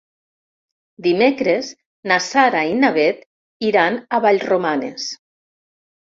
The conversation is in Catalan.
Dimecres na Sara i na Bet iran a Vallromanes.